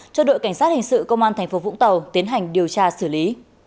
cho đội cảnh sát hình sự công an thành phố vũng tàu tiến hành điều tra xử lý